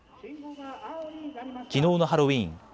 きのうのハロウィーン。